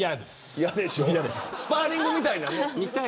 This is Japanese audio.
スパーリングみたいなね。